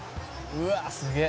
「うわっすげえ」